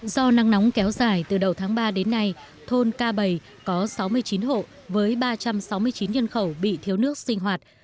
do nắng nóng kéo dài từ đầu tháng ba đến nay thôn ca bày có sáu mươi chín hộ với ba trăm sáu mươi chín nhân khẩu bị thiếu nước sinh hoạt